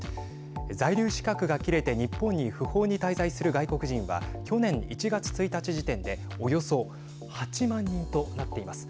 在留資格が切れて日本に不法に滞在する外国人は去年１月１日時点でおよそ８万人となっています。